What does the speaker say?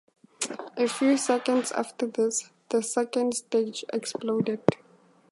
A few seconds after this, the second stage exploded.